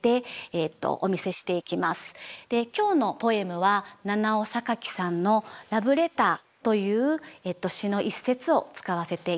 今日のポエムはナナオサカキさんの「ラブレター」という詩の一節を使わせて頂きます。